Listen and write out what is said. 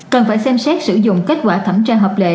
cần phải xem xét sử dụng kết quả thẩm tra hợp lệ